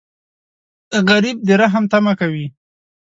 غریب د رحم تمه کوي